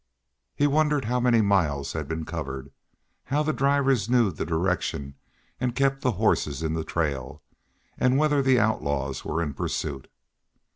He wondered how many miles had been covered, how the drivers knew the direction and kept the horses in the trail, and whether the outlaws were in pursuit.